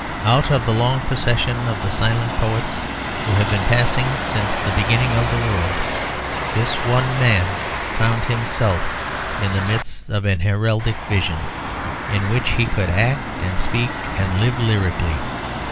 Out of the long procession of the silent poets, who have been passing since the beginning of the world, this one man found himself in the midst of an heraldic vision, in which he could act and speak and live lyrically.